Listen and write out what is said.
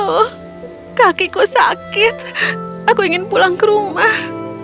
oh kakiku sakit aku ingin pulang ke rumah